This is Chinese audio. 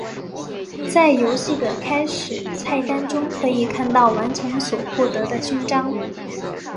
在游戏的开始菜单中可以看到完成所获得的勋章。